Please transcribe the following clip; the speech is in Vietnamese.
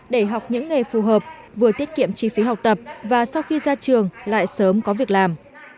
để học những nghề phù hợp vừa tiết kiệm chi phí học tập và sau khi ra trường lại sớm có việc làm